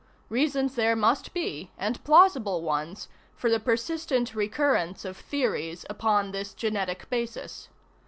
Reasons there must be, and plausible ones, for the persistent recurrence of theories upon this genetic basis.